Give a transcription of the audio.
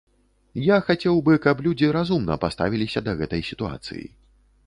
Я хацеў бы, каб людзі разумна паставіліся да гэтай сітуацыі.